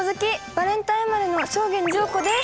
バレンタイン生まれの正源司陽子です。